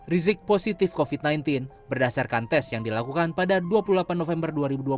rizik positif covid sembilan belas berdasarkan tes yang dilakukan pada dua puluh delapan november dua ribu dua puluh